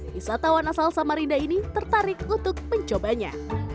wisatawan asal samarinda ini tertarik untuk mencobanya